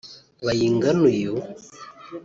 Bayingana uyu